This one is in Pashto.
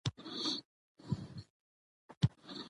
د ژوند په بیه به جانانه ستا ترښاره درځم